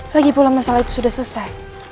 lagipula masalah itu sudah selesai